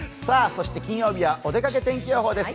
そして金曜日はお出かけ天気予報です。